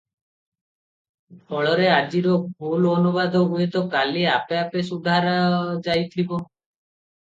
ଫଳରେ ଆଜିର ଭୁଲ ଅନୁବାଦ ହୁଏତ କାଲି ଆପେ ଆପେ ସୁଧରାଯାଇଥିବ ।